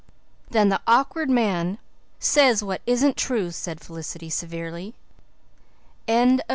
"Then the Awkward Man says what isn't true," said Felicity severely. CHAPTER XIII.